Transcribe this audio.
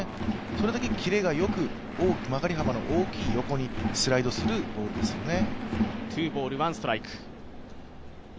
それだけ切れがよく大きく曲がり幅の大きいスライドするボールですよね。